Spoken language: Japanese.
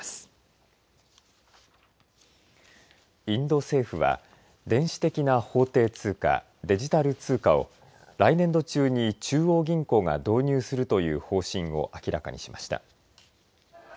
インド政府は電子的な法定通貨デジタル通貨を来年度中に中央銀行が導入するという方針を明らかにしました。